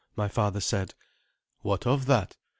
my father said. "What of that?